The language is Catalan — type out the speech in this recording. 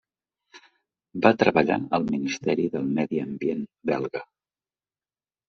Va treballar al Ministeri del Medi Ambient belga.